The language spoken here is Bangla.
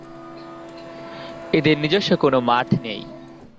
এদের নিজস্ব কোন মাঠ নেই।